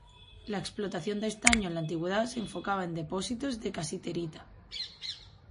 La explotación de estaño en la antigüedad se enfocaba en depósitos de casiterita.